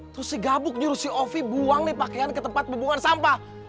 terus si gabuk nyuruh si op buang nih pakaian ke tempat pembuangan sampah